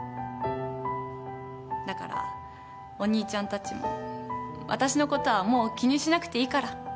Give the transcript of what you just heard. だからお兄ちゃんたちも私のことはもう気にしなくていいから。